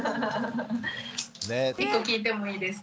１個聞いてもいいですか？